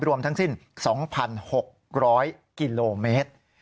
รวมทั้งสิ้น๒๖๐๐กิโลเมตร